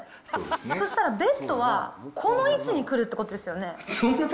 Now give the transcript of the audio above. そしたらベッドはこの位置に来るってことですよね。